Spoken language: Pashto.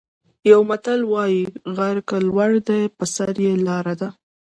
یو متل وايي: غر که لوړ دی په سر یې لاره ده.